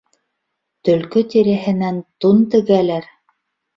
Төлкө тиреһенән тун тегәләр.